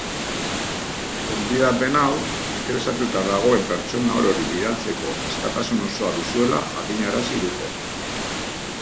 Gonbidapen hau interesatuta dagoen pertsona orori bidaltzeko askatasun osoa duzuela jakinarazi dute.